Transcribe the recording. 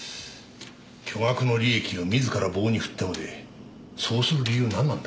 巨額の利益を自ら棒に振ってまでそうする理由なんなんだ？